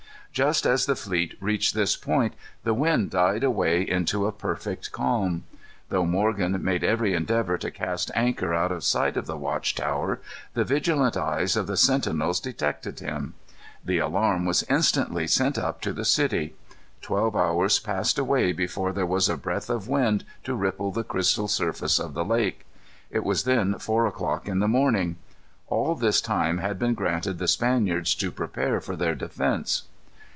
Just as the fleet reached this point the wind died away into a perfect calm. Though Morgan made every endeavor to cast anchor out of sight of the watch tower, the vigilant eyes of the sentinels detected him. The alarm was instantly sent up to the city. Twelve hours passed away before there was a breath of wind to ripple the crystal surface of the lake. It was then four o'clock in the morning. All this time had been granted the Spaniards to prepare for their defence.